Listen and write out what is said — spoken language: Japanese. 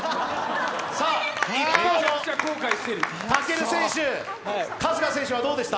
さあ、一方の武尊選手、春日選手はどうでした？